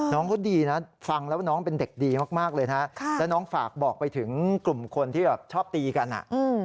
น้องเขาดีนะฟังแล้วน้องเป็นเด็กดีมากเลยนะแล้วน้องฝากบอกไปถึงกลุ่มคนที่แบบชอบตีกันอ่ะ